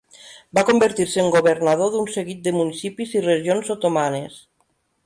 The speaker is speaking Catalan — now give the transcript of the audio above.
Va convertir-se en governador d'un seguit de municipis i regions otomanes.